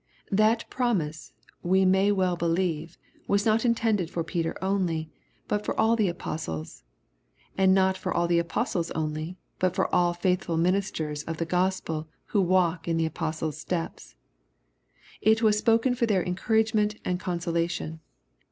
That promise, we may well believe, was not intended for Peter only but for all the Apostles, — ^and not for all the Apostles only, but for all faithful ministers of the Gospel who walk in the Apostles' steps. It was spoken for their encouragement and consolation.